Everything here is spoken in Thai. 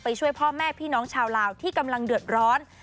ช่วยพ่อแม่พี่น้องชาวลาวที่กำลังเดือดร้อน